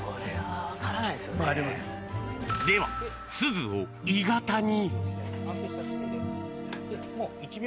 では、すずを鋳型に。